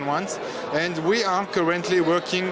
dan kita sedang bekerja bersama